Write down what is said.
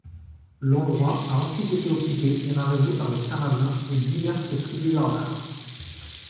L’endroit a ensuite été occupé et ravagé par les Sarrasins et diverses tribus barbares.